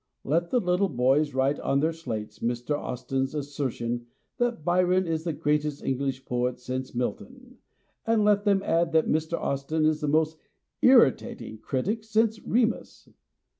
Let the little boys write on their slates Mr. Austin's asser tion that Byron is the greatest English poet since Milton, and let them add that Mr. Austin is the most irritating critic since Remus.